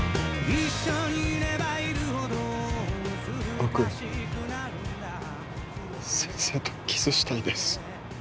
僕先生とキスしたいです。